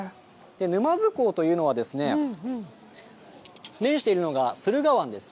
沼津港というのは、面しているのが駿河湾です。